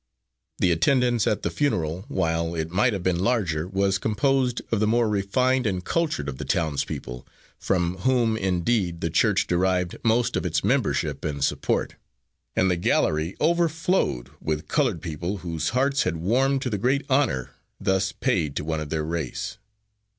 The attendance at the funeral, while it might have been larger, was composed of the more refined and cultured of the townspeople, from whom, indeed, the church derived most of its membership and support; and the gallery overflowed with coloured people, whose hearts had warmed to the great honour thus paid to one of their race.